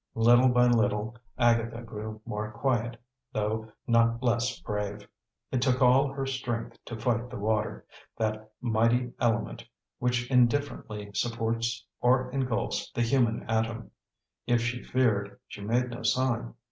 Little by little Agatha grew more quiet, though not less brave. It took all her strength to fight the water that mighty element which indifferently supports or engulfs the human atom. If she feared, she made no sign.